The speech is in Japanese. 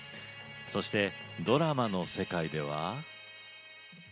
そしてドラマの世界では。